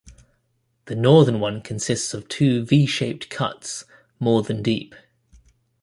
The northern one consists of two v-shaped cuts more than deep.